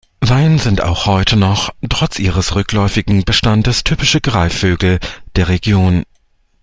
Weihen sind auch heute noch, trotz ihres rückläufigen Bestandes, typische Greifvögel der Region.